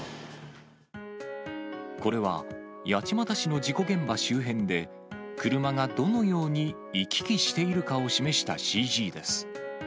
これは、八街市の事故現場周辺で、車がどのように行き来しているかを示したＣＧです。